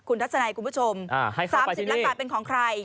คุณทัศนัยคุณผู้ชม๓๐ล้านบาทเป็นของใคร